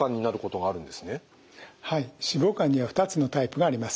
はい脂肪肝には２つのタイプがあります。